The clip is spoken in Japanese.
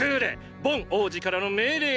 ボン王子からの命令だ。